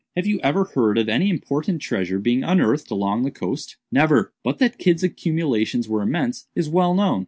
Have you ever heard of any important treasure being unearthed along the coast?" "Never." "But that Kidd's accumulations were immense, is well known.